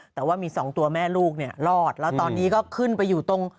แต่ว่ามีสองตัวแม่ลูกเนี่ยรอดแล้วตอนนี้ก็ขึ้นไปอยู่ตรง